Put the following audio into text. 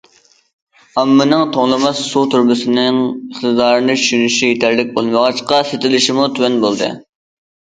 ئاممىنىڭ توڭلىماس سۇ تۇرۇبىسىنىڭ ئىقتىدارىنى چۈشىنىشى يېتەرلىك بولمىغاچقا، سېتىلىشىمۇ تۆۋەن بولدى.